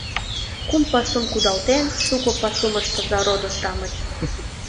Кум пасум кудалтен, шуко пасум ыштыза, родо-шамыч!